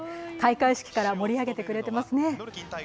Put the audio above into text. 開会式から盛り上げてくれていますね。